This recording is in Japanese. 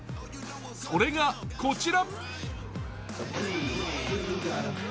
それがこちら。